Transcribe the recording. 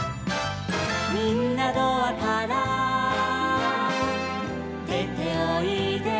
「みんなドアからでておいで」